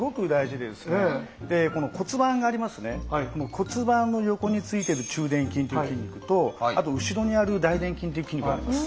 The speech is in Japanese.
骨盤の横についてる中臀筋という筋肉とあと後ろにある大臀筋という筋肉があります。